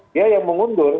dia yang mengundur